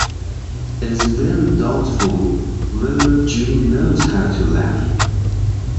It is very doubtful whether Judy knows how to laugh.